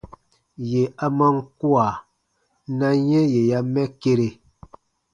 Yè a man kua, na yɛ̃ yè ya mɛ kere.